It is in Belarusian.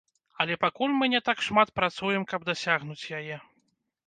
Але пакуль мы не так шмат працуем, каб дасягнуць яе.